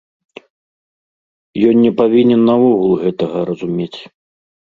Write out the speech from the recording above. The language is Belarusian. Ён не павінен наогул гэтага разумець.